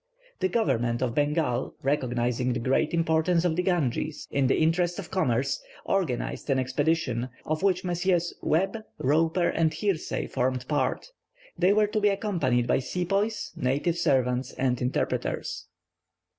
The Government of Bengal, recognizing the great importance of the Ganges in the interests of commerce, organized an expedition, of which Messrs. Webb, Roper, and Hearsay, formed part. They were to be accompanied by Sepoys, native servants, and interpreters.